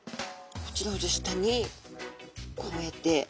こちらをじゃあ下にこうやって。